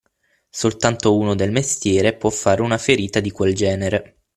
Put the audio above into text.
Soltanto uno del mestiere può fare una ferita di quel genere.